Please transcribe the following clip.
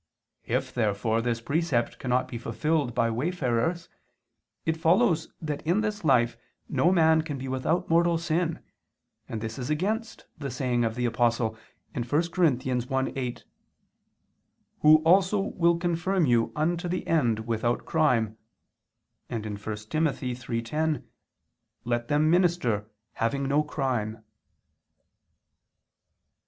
If therefore this precept cannot be fulfilled by wayfarers, it follows that in this life no man can be without mortal sin, and this is against the saying of the Apostle (1 Cor. 1:8): "(Who also) will confirm you unto the end without crime," and (1 Tim. 3:10): "Let them minister, having no crime."